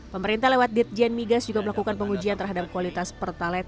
pemerintah lewat ditjen migas juga melakukan pengujian terhadap kualitas pertalite